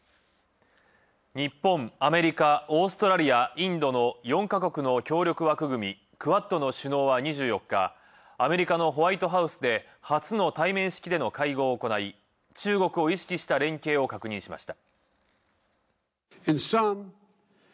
日本、アメリカ、オーストラリア、インドの４ヵ国の協力枠組み「クワッド」の首脳は２４日、アメリカのホワイトハウスで初の対面式での会合を行い、中国を意識した連携を確認しました。